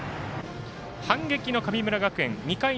反撃の神村学園。